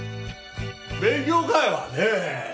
勉強会はね